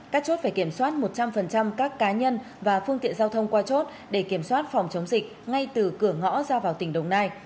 các chốt phải kiểm soát một trăm linh các cá nhân và phương tiện giao thông qua chốt để kiểm soát phòng chống dịch ngay từ cửa ngõ ra vào tỉnh đồng nai